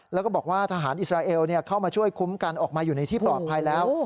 แล้วก็บอกว่าทหารอิสราเอลเข้ามาช่วยคุ้มกันออกมาอยู่ในที่ปลอดภัยแล้ว